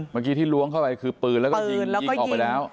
เมื่อกี้ที่ล้วงเข้าไปคือปืนแล้วก็ยิงออกไปแล้ว